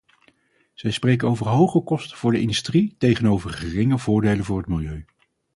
Zij spreken over hoge kosten voor de industrie tegenover geringe voordelen voor het milieu.